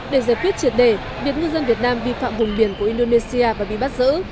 để giải quyết triệt đề việc ngư dân việt nam vi phạm vùng biển của indonesia và bị bắt giữ